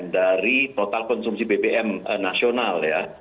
dari total konsumsi bbm nasional ya